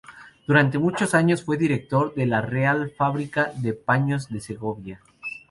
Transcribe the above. Durante muchos años fue director de la Real Fábrica de Paños de Segovia.